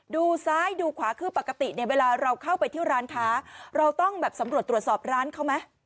ดูซ้ายดูขวาคือปกติเนี่ยเวลาเราเข้าไปที่ร้านค้าเราต้องแบบสำรวจตรวจสอบร้านเขาไหม